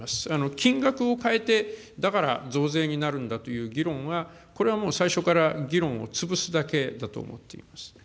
金額を変えて、だから増税になるんだという議論は、これはもう最初から議論を潰すだけだと思っています。